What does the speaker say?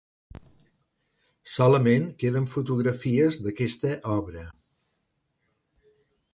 Solament queden fotografies d'aquesta obra.